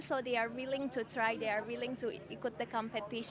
jadi mereka berani untuk mencoba mereka berani untuk ikut kompetisi